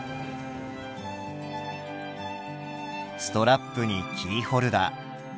ストラップにキーホルダー。